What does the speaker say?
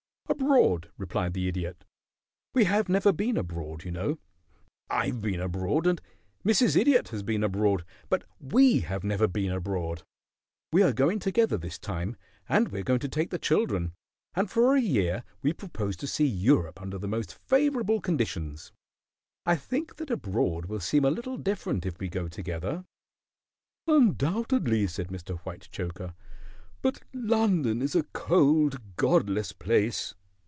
"Abroad," replied the Idiot. "We have never been abroad, you know. I've been abroad, and Mrs. Idiot has been abroad, but we have never been abroad. We are going together this time, and we are going to take the children, and for a year we propose to see Europe under the most favorable conditions. I think that abroad will seem a little different if we go together." "Undoubtedly," said Mr. Whitechoker. "But London is a cold, godless place."